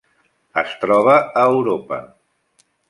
Es troba a Europa: